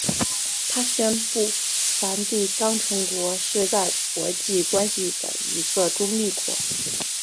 它宣布梵蒂冈城国是在国际关系的一个中立国。